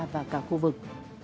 và cả khu vực